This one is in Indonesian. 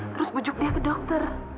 terus bujuk dia ke dokter